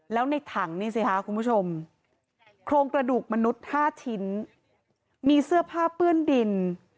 แล้วในถังนี่สิคะคุณผู้ชมโครงกระดูกมนุษย์๕ชิ้นมีเสื้อผ้าเปื้อนดิน